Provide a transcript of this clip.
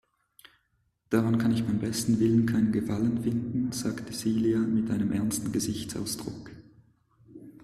Daran kann ich beim besten Willen keinen Gefallen finden, sagte Silja mit einem ernsten Gesichtsausdruck.